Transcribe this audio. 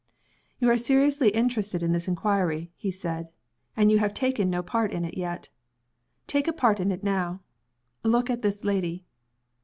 "You are seriously interested in this inquiry," he said; "and you have taken no part in it yet. Take a part in it now. Look at this lady."